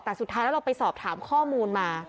แต่สุดท้ายแล้วเราไปสอบถามข้อมูลมา